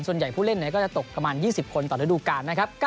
ส่วนใหญ่ผู้เล่นก็จะตกประมาณ๒๐คนต่อระดูกการนะครับ